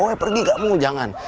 woy pergi kamu jangan